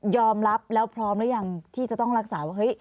ยอมรับแล้วพร้อมหรือยังที่จะต้องรักษา